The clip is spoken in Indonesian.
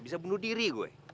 bisa bunuh diri gue